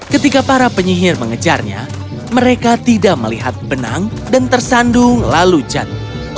ketika para penyihir mengejarnya mereka tidak melihat benang dan tersandung lalu cat